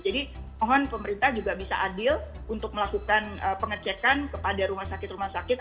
jadi mohon pemerintah juga bisa adil untuk melakukan pengecekan kepada rumah sakit rumah sakit